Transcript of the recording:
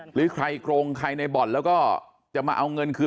หรือใครโกงใครในบ่อนแล้วก็จะมาเอาเงินคืน